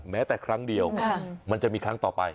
แม้แต่ครั้งเดียวมันจะมีครั้งต่อไป